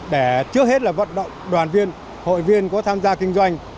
để trước hết là vận động đoàn viên hội viên có tham gia kinh doanh